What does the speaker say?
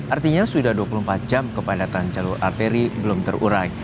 artinya sudah dua puluh empat jam kepadatan jalur arteri belum terurai